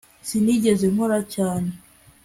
sinigeze nkora cyane